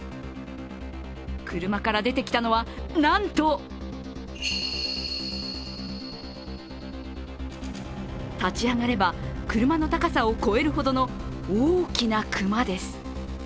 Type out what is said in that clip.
車から出てきたのは、なんと立ち上がれば、車の高さを超えるほどの大きな熊です。